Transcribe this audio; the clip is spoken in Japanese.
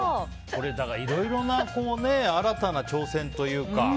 いろいろな新たな挑戦というか。